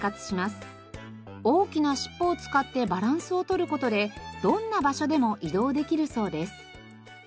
大きな尻尾を使ってバランスを取る事でどんな場所でも移動できるそうです。